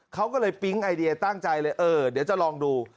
เขาก็เลยปิ๊งไอเดียตั้งใจเลยเออเดี๋ยวจะลองดู